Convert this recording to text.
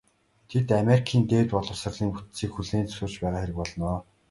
Тэд Америкийн дээд боловсролын бүтцийг хүлээн зөвшөөрч байгаа хэрэг болно.